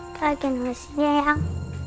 kau akan mesinnya yang